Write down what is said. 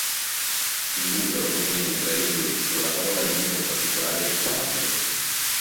In bulgaro, rumeno, ucraino e russo la parola indica un particolare estuario.